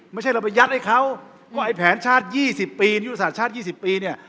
ไม่ใช่เราไปยัดให้เขาว่าไอ้แผนชาติ๒๐ปียุทธศาสตร์ชาติ๒๐ปีเนี่ย